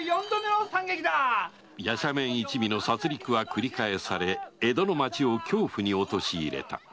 夜叉面一味の殺戮は繰り返され江戸の町を恐怖に陥れた